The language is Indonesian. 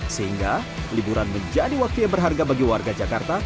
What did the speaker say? sehingga liburan menjadi waktu yang berharga bagi warga jakarta